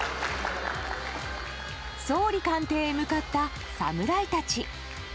総理官邸へ向かった侍たち。